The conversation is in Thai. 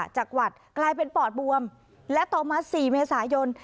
จังหวัดกลายเป็นปอดบวมและต่อมา๔เมษายน